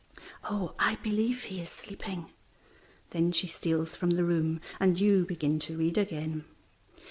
"Oh, I believe he is sleeping." Then she steals from the room, and you begin to read again.